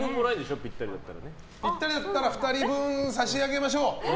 ピッタリだったら２人分差し上げましょう。